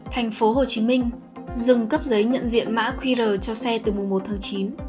tp hcm dừng cấp giấy nhận diện mã qr cho xe từ mùa một tháng chín